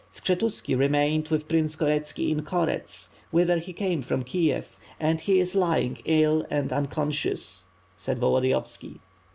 "Skshetuski remained with Prince Koretski in Korets whither he came from Kiev and he is lying ill and uncon scious," said Volodiyovski.